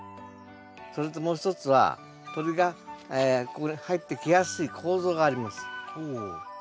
それともう一つは鳥がここに入ってきやすい構造があります。